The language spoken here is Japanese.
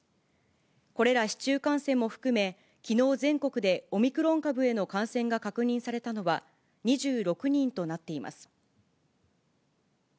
これら市中感染も含め、きのう全国でオミクロン株への感染が確認されたのは、２６人となっています。